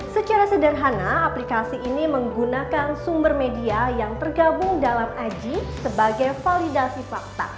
secara sederhana aplikasi ini menggunakan sumber media yang tergabung dalam ig sebagai validasi fakta